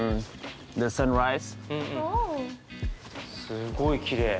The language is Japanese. すごいきれい。